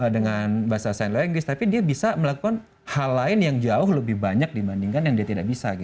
dengan bahasa sain legis tapi dia bisa melakukan hal lain yang jauh lebih banyak dibandingkan yang dia tidak bisa